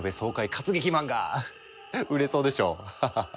活劇漫画売れそうでしょ？ハハハ。